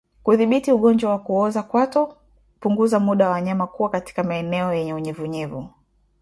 Kudhibiti ugonjwa wa kuoza kwato punguza muda wa wanyama kuwa katika maeneo yenye unyevunyevu